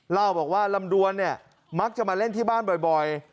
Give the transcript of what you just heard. เล่าบอกว่าลำดวนเนี่ยมักจะมาเล่นที่บ้านบ่อย